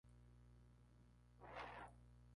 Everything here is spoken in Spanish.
Los espejos cóncavos se utilizan en los telescopios.